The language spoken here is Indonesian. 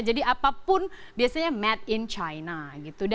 jadi apapun biasanya made in china gitu